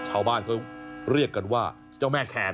ชาวบ้านเขาเรียกกันว่าเจ้าแม่แคน